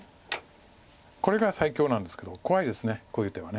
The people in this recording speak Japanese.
これが最強なんですけど怖いですこういう手は。